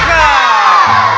ada ustad membawa berkat